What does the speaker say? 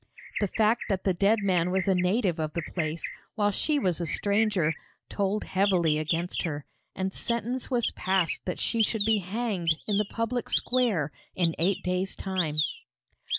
The fact that the dead man was a native of the place, while she was a stranger, told heavily against her, and sentence was passed that she should be hanged in the public square in eight days' time.